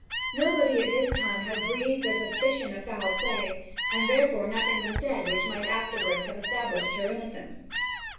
Nobody at this time had breathed a suspicion of foul play, and therefore nothing was said which might afterwards have established her innocence.